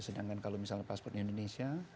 sedangkan kalau misalnya paspor indonesia